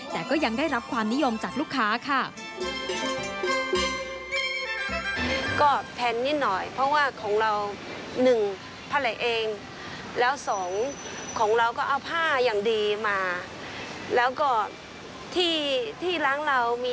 แต่ก็ยังได้รับความนิยมจากลูกค้าค่ะ